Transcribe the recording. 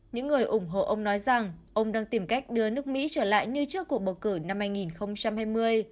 những người ủng hộ ông nói rằng ông đang tìm cách đưa nước mỹ trở lại như trước cuộc bầu cử năm hai nghìn hai mươi